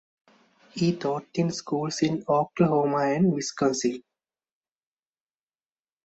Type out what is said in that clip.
He taught school in Oklahoma and Wisconsin.